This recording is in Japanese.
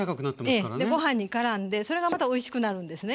でご飯にからんでそれがまたおいしくなるんですね。